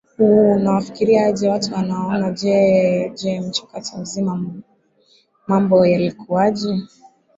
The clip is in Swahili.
u wanafikiria aje watu wanaona je je mchakato mzima mambo yalikuwaje